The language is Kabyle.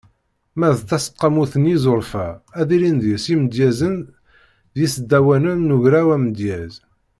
Ma d taseqqamut n yinẓurfa, ad ilin deg-s yimedyazen d yisdawanen n ugraw Amedyez.